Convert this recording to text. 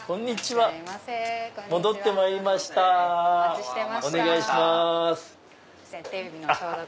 はい。